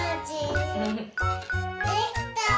できた！